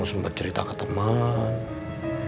anda pernah bers bikes di bagian bawah